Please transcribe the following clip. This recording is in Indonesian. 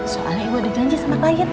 soalnya ibu ada janji sama klien